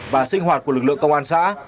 và sinh hoạt của lực lượng công an xã